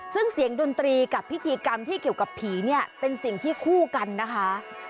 ซึ่งเสียงดนตรีกับพิธีกรรมที่เกี่ยวกับผีเนี่ยเป็นสิ่งที่คู่กันนะคะ